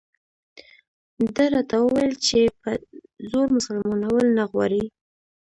ده راته وویل چې په زور مسلمانول نه غواړي.